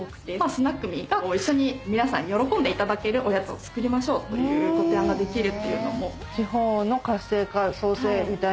ｓｎａｑ．ｍｅが一緒に皆さん喜んでいただけるおやつを作りましょうというご提案ができるっていうのも。